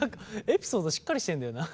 エピソードしっかりしてんだよな。